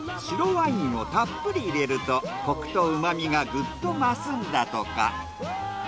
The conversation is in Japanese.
白ワインをたっぷり入れるとコクと旨みがグッと増すんだとか。